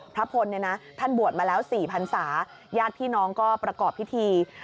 พระพลท่านบวชมาแล้ว๔๐๐๐สาญาติพี่น้องก็ประกอบพิธี